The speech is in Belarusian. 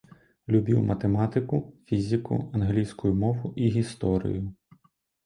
Любіў матэматыку, фізіку, англійскую мову і гісторыю.